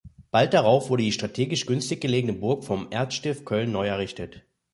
Bald darauf wurde die strategisch günstig gelegene Burg vom Erzstift Köln neu errichtet.